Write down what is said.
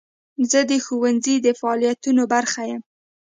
زه د ښوونځي د فعالیتونو برخه یم.